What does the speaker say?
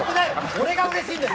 俺がうれしいんだよ